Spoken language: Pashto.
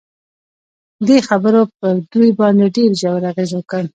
دې خبرو پر دوی باندې ډېر ژور اغېز وکړ